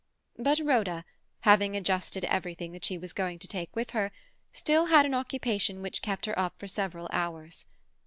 But Rhoda, having adjusted everything that she was going to take with her, still had an occupation which kept her up for several hours.